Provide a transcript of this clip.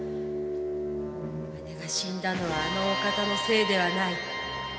姉が死んだのはあのお方のせいではないのに。